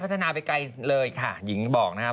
นาไปไกลเลยค่ะหญิงบอกนะครับ